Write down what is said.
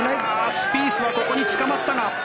スピースはここにつかまったが。